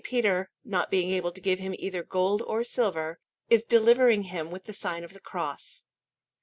Peter, not being able to give him either gold or silver, is delivering him with the sign of the Cross.